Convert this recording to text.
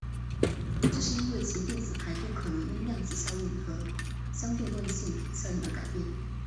这是因为其电子排布可能因量子效应和相对论性效应而改变。